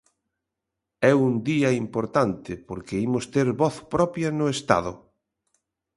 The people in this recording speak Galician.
É un día importante porque imos ter voz propia no Estado.